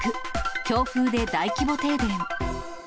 強風で大規模停電。